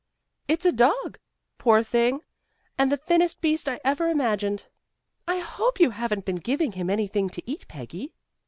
"It's a dog, poor thing, and the thinnest beast I ever imagined." "I hope you haven't been giving him anything to eat, Peggy."